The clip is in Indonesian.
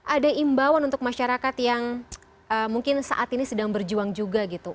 ada imbauan untuk masyarakat yang mungkin saat ini sedang berjuang juga gitu